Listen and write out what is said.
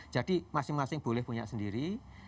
jadi masing masing boleh punya sendiri